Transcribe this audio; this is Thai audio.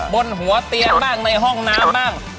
บนหัวเตียงบ้างในห้องน้ำบ้าง